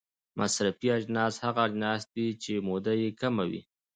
مصرفي اجناس هغه اجناس دي چې موده یې کمه وي.